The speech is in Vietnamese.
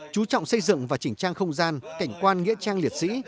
chú trọng xây dựng và chỉnh trang không gian cảnh quan nghĩa trang liệt sĩ